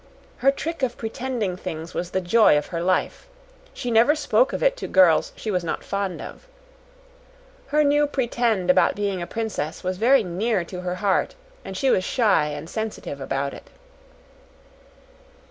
Her trick of pretending things was the joy of her life. She never spoke of it to girls she was not fond of. Her new "pretend" about being a princess was very near to her heart, and she was shy and sensitive about it.